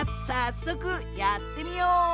さっそくやってみよう！